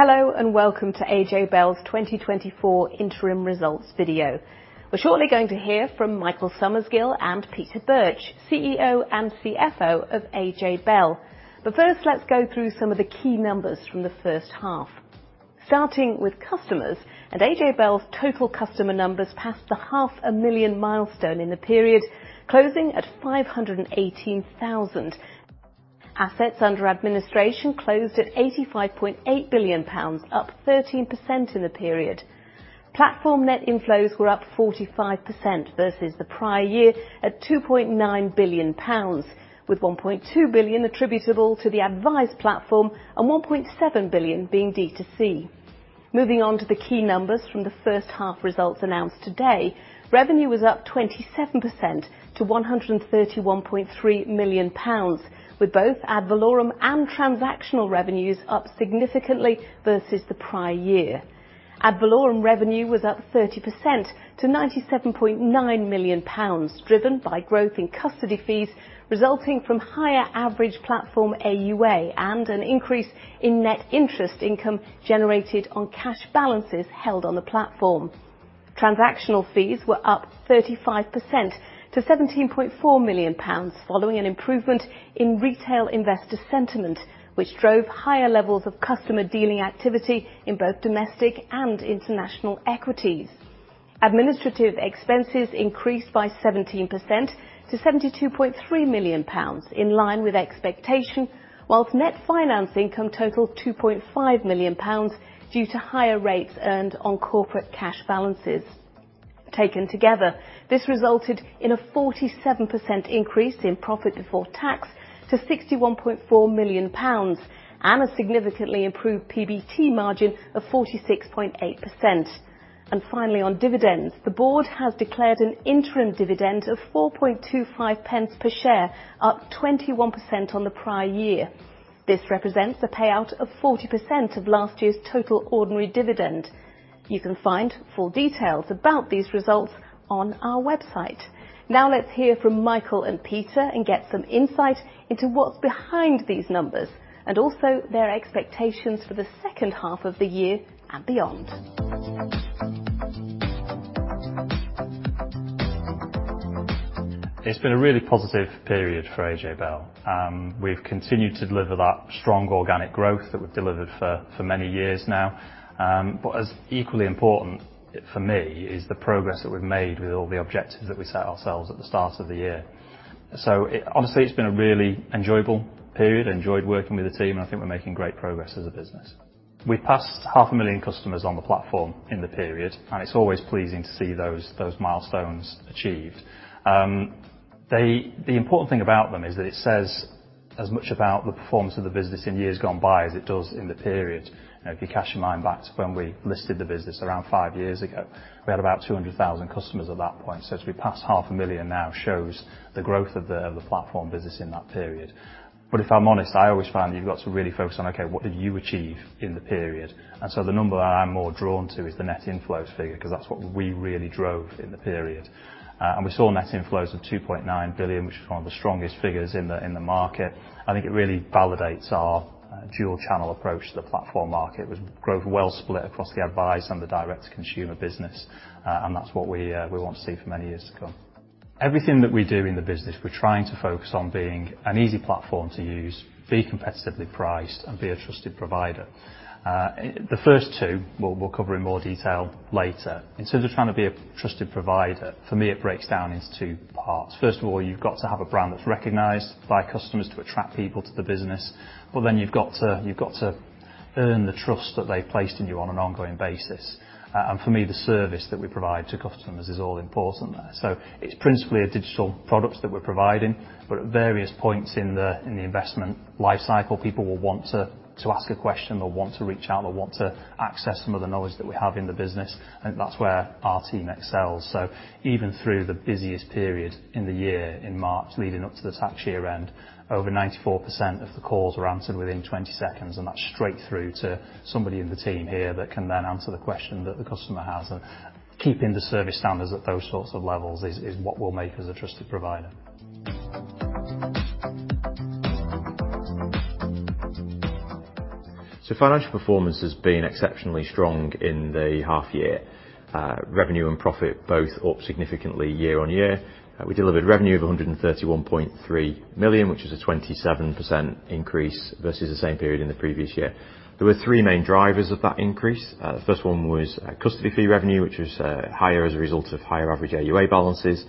Hello, and welcome to AJ Bell's 2024 interim results video. We're shortly going to hear from Michael Summersgill and Peter Birch, CEO and CFO of AJ Bell. But first, let's go through some of the key numbers from the first half. Starting with customers, and AJ Bell's total customer numbers passed the 500,000 milestone in the period, closing at 518,000. Assets under administration closed at 85.8 billion pounds, up 13% in the period. Platform net inflows were up 45% versus the prior year at 2.9 billion pounds, with 1.2 billion attributable to the Adviser platform and 1.7 billion being D2C. Moving on to the key numbers from the first half results announced today, revenue was up 27% to 131.3 million pounds, with both ad valorem and transactional revenues up significantly versus the prior year. Ad valorem revenue was up 30% to 97.9 million pounds, driven by growth in custody fees, resulting from higher average platform AUA and an increase in net interest income generated on cash balances held on the platform. Transactional fees were up 35% to 17.4 million pounds, following an improvement in retail investor sentiment, which drove higher levels of customer dealing activity in both domestic and international equities. Administrative expenses increased by 17% to 72.3 million pounds, in line with expectation, whilst net finance income totaled 2.5 million pounds due to higher rates earned on corporate cash balances. Taken together, this resulted in a 47% increase in profit before tax to 61.4 million pounds and a significantly improved PBT margin of 46.8%. And finally, on dividends, the board has declared an interim dividend of 4.25 pence per share, up 21% on the prior year. This represents a payout of 40% of last year's total ordinary dividend. You can find full details about these results on our website. Now let's hear from Michael and Peter and get some insight into what's behind these numbers, and also their expectations for the second half of the year and beyond. It's been a really positive period for AJ Bell. We've continued to deliver that strong organic growth that we've delivered for many years now. But as equally important for me is the progress that we've made with all the objectives that we set ourselves at the start of the year. Obviously, it's been a really enjoyable period. I enjoyed working with the team, and I think we're making great progress as a business. We passed 500,000 customers on the platform in the period, and it's always pleasing to see those milestones achieved. The important thing about them is that it says as much about the performance of the business in years gone by as it does in the period. You know, if you cast your mind back to when we listed the business around five years ago, we had about 200,000 customers at that point. So to be past 500,000 now shows the growth of the platform business in that period. But if I'm honest, I always find you've got to really focus on, okay, what did you achieve in the period? And so the number that I'm more drawn to is the net inflows figure, 'cause that's what we really drove in the period. And we saw net inflows of 2.9 billion, which is one of the strongest figures in the market. I think it really validates our dual channel approach to the platform market, with growth well split across the Adviser and the direct-to-consumer business. That's what we want to see for many years to come. Everything that we do in the business, we're trying to focus on being an easy platform to use, be competitively priced, and be a trusted provider. The first two, we'll cover in more detail later. In terms of trying to be a trusted provider, for me, it breaks down into two parts. First of all, you've got to have a brand that's recognized by customers to attract people to the business. Well, then you've got to earn the trust that they've placed in you on an ongoing basis. For me, the service that we provide to customers is all important there. So it's principally a digital product that we're providing, but at various points in the investment life cycle, people will want to ask a question or want to reach out or want to access some of the knowledge that we have in the business, and that's where our team excels. So even through the busiest period in the year, in March, leading up to the tax year end, over 94% of the calls were answered within 20 seconds, and that's straight through to somebody in the team here that can then answer the question that the customer has. And keeping the service standards at those sorts of levels is what will make us a trusted provider. So financial performance has been exceptionally strong in the half year. Revenue and profit both up significantly year-on-year. We delivered revenue of 131.3 million, which is a 27% increase versus the same period in the previous year. There were three main drivers of that increase. The first one was custody fee revenue, which was higher as a result of higher average AUA balances.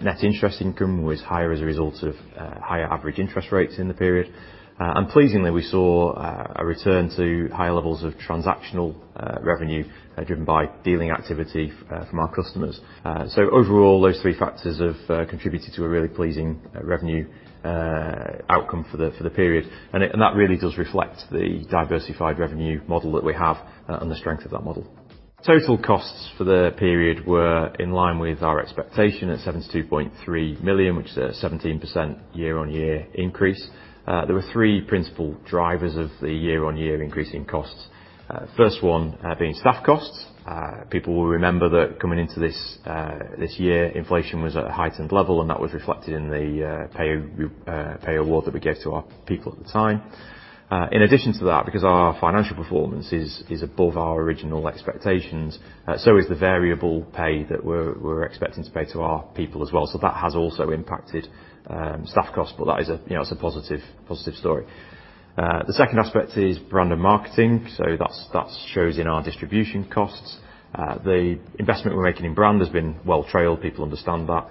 Net interest income was higher as a result of higher average interest rates in the period. And pleasingly, we saw a return to higher levels of transactional revenue driven by dealing activity from our customers. So overall, those three factors have contributed to a really pleasing revenue outcome for the period. That really does reflect the diversified revenue model that we have, and the strength of that model. Total costs for the period were in line with our expectation at 72.3 million, which is a 17% year-on-year increase. There were three principal drivers of the year-on-year increase in costs. First one, being staff costs. People will remember that coming into this, this year, inflation was at a heightened level, and that was reflected in the pay award that we gave to our people at the time. In addition to that, because our financial performance is above our original expectations, so is the variable pay that we're expecting to pay to our people as well. So that has also impacted staff costs, but that is a, you know, it's a positive, positive story. The second aspect is brand and marketing, so that shows in our distribution costs. The investment we're making in brand has been well-trailed, people understand that.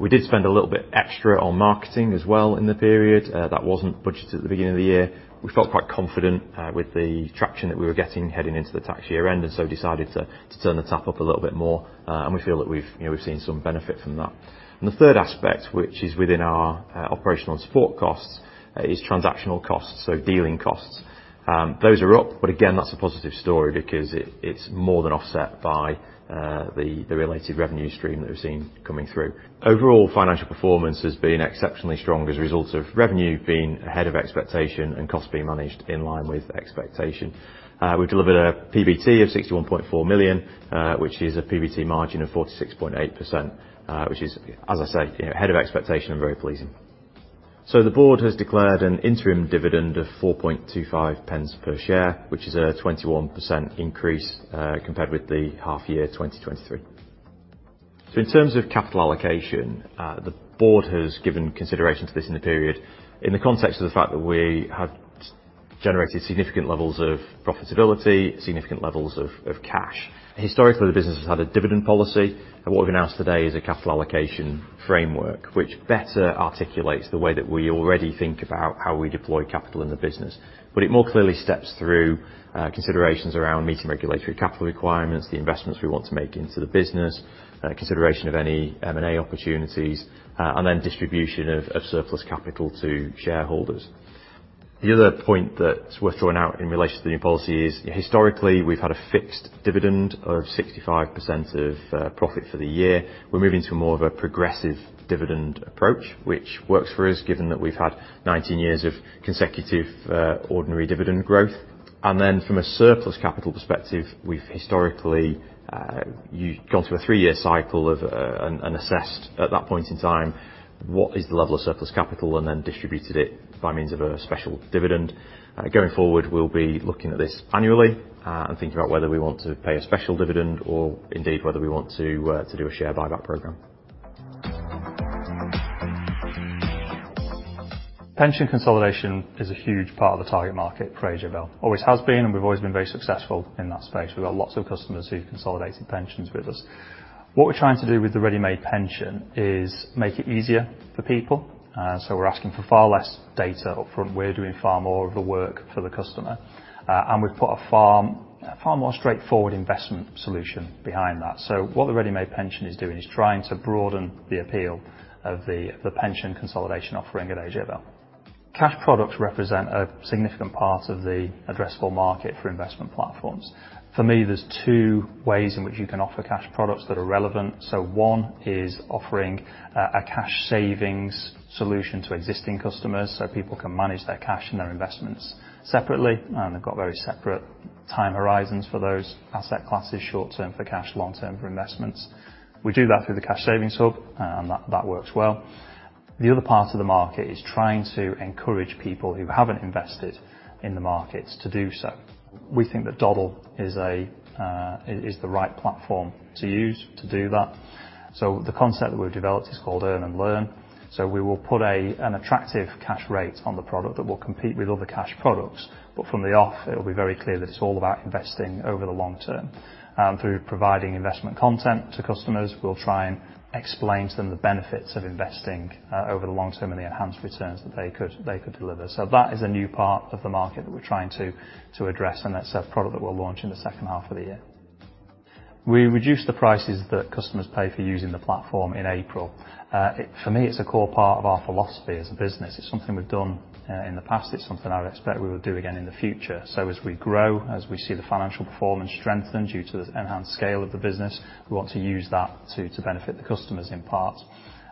We did spend a little bit extra on marketing as well in the period. That wasn't budgeted at the beginning of the year. We felt quite confident with the traction that we were getting heading into the tax year-end, and so decided to turn the tap up a little bit more. And we feel that we've, you know, we've seen some benefit from that. The third aspect, which is within our operational support costs, is transactional costs, so dealing costs. Those are up, but again, that's a positive story because it, it's more than offset by the related revenue stream that we've seen coming through. Overall, financial performance has been exceptionally strong as a result of revenue being ahead of expectation and costs being managed in line with expectation. We've delivered a PBT of 61.4 million, which is a PBT margin of 46.8%, which is, as I say, you know, ahead of expectation and very pleasing. So the board has declared an interim dividend of 0.0425 per share, which is a 21% increase, compared with the half year 2023. So in terms of capital allocation, the board has given consideration to this in the period in the context of the fact that we have generated significant levels of profitability, significant levels of cash. Historically, the business has had a dividend policy, and what we've announced today is a capital allocation framework, which better articulates the way that we already think about how we deploy capital in the business. But it more clearly steps through considerations around meeting regulatory capital requirements, the investments we want to make into the business, consideration of any M&A opportunities, and then distribution of surplus capital to shareholders. The other point that's worth drawing out in relation to the new policy is, historically, we've had a fixed dividend of 65% of profit for the year. We're moving to more of a progressive dividend approach, which works for us, given that we've had 19 years of consecutive ordinary dividend growth. Then from a surplus capital perspective, we've historically gone through a three-year cycle and assessed at that point in time, what is the level of surplus capital, and then distributed it by means of a special dividend. Going forward, we'll be looking at this annually and thinking about whether we want to pay a special dividend or indeed, whether we want to do a share buyback program. Pension consolidation is a huge part of the target market for AJ Bell. Always has been, and we've always been very successful in that space. We've got lots of customers who've consolidated pensions with us. What we're trying to do with the Ready-made pension is make it easier for people. So we're asking for far less data up front. We're doing far more of the work for the customer, and we've put a far, far more straightforward investment solution behind that. So what the Ready-made pension is doing is trying to broaden the appeal of the pension consolidation offering at AJ Bell. Cash products represent a significant part of the addressable market for investment platforms. For me, there's two ways in which you can offer cash products that are relevant. So one is offering a Cash savings solution to existing customers, so people can manage their cash and their investments separately, and they've got very separate time horizons for those asset classes, short-term for cash, long-term for investments. We do that through the Cash savings hub, and that, that works well. The other part of the market is trying to encourage people who haven't invested in the markets to do so. We think that Dodl is a, is the right platform to use to do that. So the concept that we've developed is called Earn and Learn. So we will put a, an attractive cash rate on the product that will compete with other cash products. But from the off, it'll be very clear that it's all about investing over the long-term. And through providing investment content to customers, we'll try and explain to them the benefits of investing, over the long-term and the enhanced returns that they could deliver. So that is a new part of the market that we're trying to address, and that's a product that we'll launch in the second half of the year. We reduced the prices that customers pay for using the platform in April. For me, it's a core part of our philosophy as a business. It's something we've done in the past. It's something I would expect we will do again in the future. So as we grow, as we see the financial performance strengthen due to the enhanced scale of the business, we want to use that to benefit the customers in part.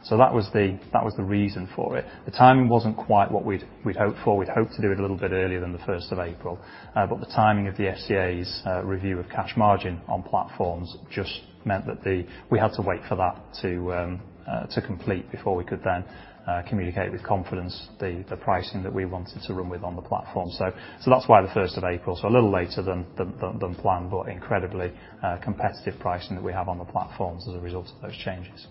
So that was the reason for it. The timing wasn't quite what we'd hoped for. We'd hoped to do it a little bit earlier than the 1st of April, but the timing of the FCA's review of cash margin on platforms just meant that we had to wait for that to complete before we could then communicate with confidence the pricing that we wanted to run with on the platform. So that's why the 1st of April, so a little later than planned, but incredibly competitive pricing that we have on the platforms as a result of those changes.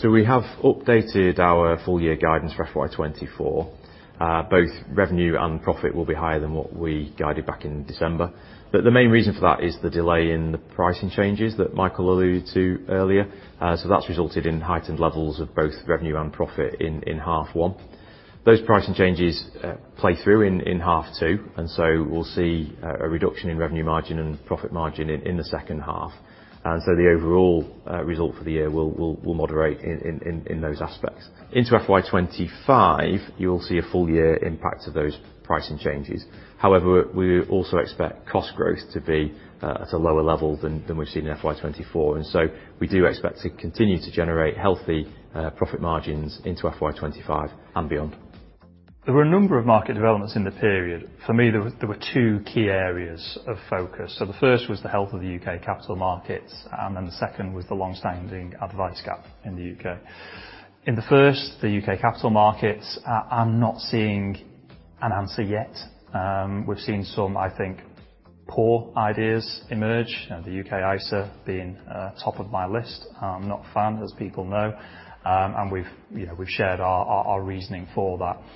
So we have updated our full year guidance for FY 2024. Both revenue and profit will be higher than what we guided back in December. But the main reason for that is the delay in the pricing changes that Michael alluded to earlier. So that's resulted in heightened levels of both revenue and profit in half one. Those pricing changes play through in half two, and so we'll see a reduction in revenue margin and profit margin in the second half. And so the overall result for the year will moderate in those aspects. Into FY 2025, you will see a full year impact of those pricing changes. However, we also expect cost growth to be at a lower level than we've seen in FY 2024. And so we do expect to continue to generate healthy profit margins into FY 2025 and beyond. There were a number of market developments in the period. For me, there were two key areas of focus. So the first was the health of the U.K. capital markets, and then the second was the long-standing advice gap in the U.K. In the first, the U.K. capital markets, I'm not seeing an answer yet. We've seen some, I think, poor ideas emerge, the U.K. ISA being top of my list. I'm not a fan, as people know, and we've, you know, we've shared our reasoning for that. There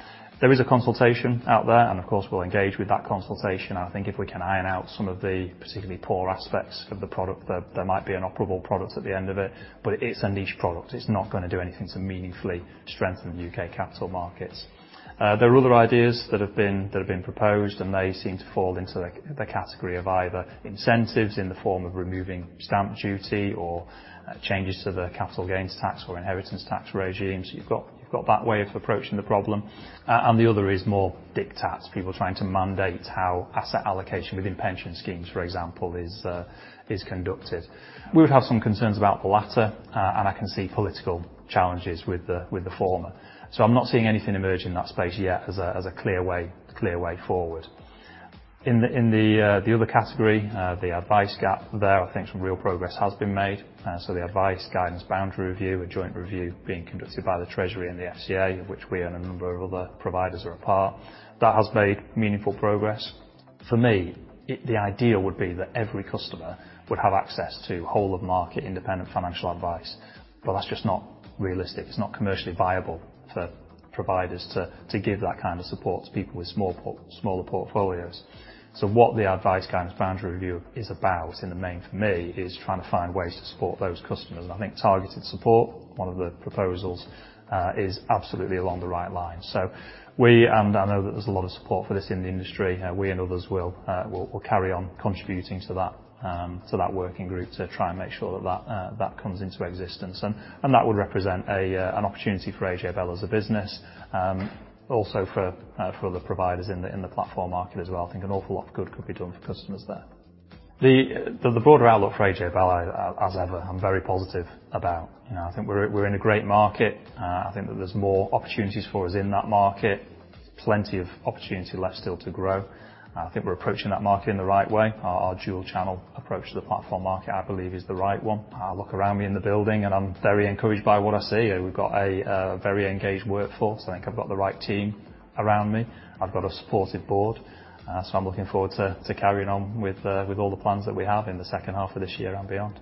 is a consultation out there, and of course, we'll engage with that consultation. I think if we can iron out some of the particularly poor aspects of the product, there might be an operable product at the end of it. But it's a niche product. It's not gonna do anything to meaningfully strengthen the U.K. capital markets. There are other ideas that have been proposed, and they seem to fall into the category of either incentives in the form of removing stamp duty or changes to the capital gains tax or inheritance tax regimes. You've got that way of approaching the problem, and the other is more diktats, people trying to mandate how asset allocation within pension schemes, for example, is conducted. We would have some concerns about the latter, and I can see political challenges with the former. So I'm not seeing anything emerge in that space yet as a clear way forward. In the other category, the advice gap there, I think some real progress has been made. So the Advice Guidance Boundary Review, a joint review being conducted by the Treasury and the FCA, which we and a number of other providers are a part, that has made meaningful progress. For me, it... the ideal would be that every customer would have access to whole of market, independent financial advice, but that's just not realistic. It's not commercially viable for providers to give that kind of support to people with smaller portfolios. So what the Advice Guidance Boundary Review is about, in the main, for me, is trying to find ways to support those customers. And I think Targeted Support, one of the proposals, is absolutely along the right lines. So we, and I know that there's a lot of support for this in the industry, we and others will carry on contributing to that, to that working group to try and make sure that that, that comes into existence. And that would represent an opportunity for AJ Bell as a business, also for other providers in the platform market as well. I think an awful lot of good could be done for customers there. The broader outlook for AJ Bell, as ever, I'm very positive about. You know, I think we're in a great market. I think that there's more opportunities for us in that market. Plenty of opportunity left still to grow. I think we're approaching that market in the right way. Our dual channel approach to the platform market, I believe, is the right one. I look around me in the building, and I'm very encouraged by what I see. We've got a very engaged workforce. I think I've got the right team around me. I've got a supportive board. So I'm looking forward to carrying on with all the plans that we have in the second half of this year and beyond.